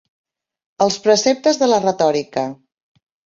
Els preceptes de la retòrica.